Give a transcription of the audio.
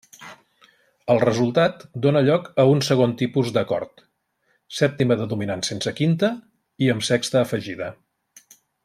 El resultat dóna lloc a un segon tipus d'acord: sèptima de dominant sense quinta, i amb sexta afegida.